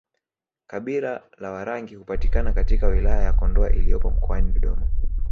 Kabila la Warangi hupatikana katika wilaya ya Kondoa iliyopo mkoani Dodoma